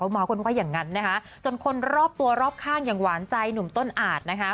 บางคนว่าอย่างนั้นนะคะจนคนรอบตัวรอบข้างอย่างหวานใจหนุ่มต้นอาจนะคะ